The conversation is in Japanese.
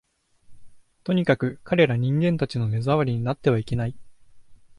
とにかく、彼等人間たちの目障りになってはいけない